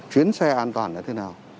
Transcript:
chuyến xe an toàn là thế nào